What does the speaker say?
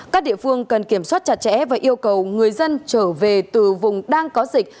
các địa phương cần kiểm soát chặt chẽ và yêu cầu người dân trở về từ vùng đang có dịch